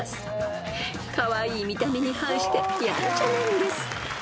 ［カワイイ見た目に反してやんちゃなんです］